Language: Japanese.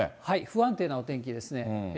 不安定なお天気ですね。